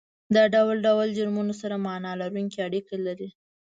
د ډول ډول جرمونو سره معنا لرونکې اړیکه لري